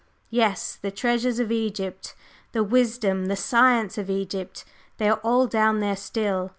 Yes, the treasures of Egypt, the wisdom, the science of Egypt! They are all down there still!